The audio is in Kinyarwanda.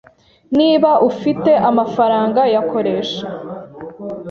Niba ufite amafaranga yakoreshe